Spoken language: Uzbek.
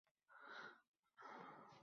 uni yomon ko‘radi.